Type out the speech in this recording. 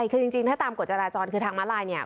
คือจริงถ้าตามกฎจราจรคือทางมาลายเนี่ย